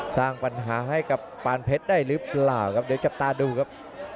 สร้างปัญหาให้กับปานเพชรได้หรือเปล่าครับเดี๋ยวจับตาดูครับ